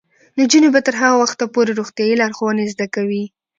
نجونې به تر هغه وخته پورې روغتیايي لارښوونې زده کوي.